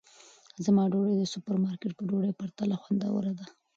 زما ډوډۍ د سوپرمارکېټ په ډوډۍ پرتله خوندوره ده.